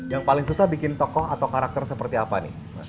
yang paling susah bikin tokoh atau karakter seperti apa nih mas